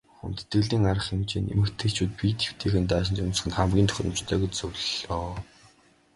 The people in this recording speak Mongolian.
Хүндэтгэлийн арга хэмжээнд эмэгтэйчүүд биед эвтэйхэн даашинз өмсөх нь хамгийн тохиромжтой гэж зөвлөлөө.